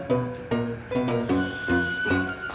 kamu kenapa atukum